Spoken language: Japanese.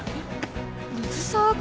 水沢君？